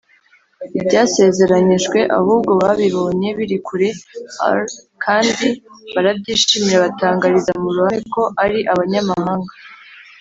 ibyasezeranyijwe Ahubwo babibonye biri kure r kandi barabyishimira batangariza mu ruhame ko ari abanyamahanga